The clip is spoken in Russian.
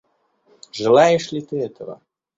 Желаешь ли ты этого?